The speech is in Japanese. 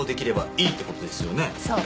そう。